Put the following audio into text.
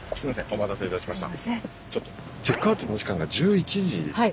お待たせいたしました。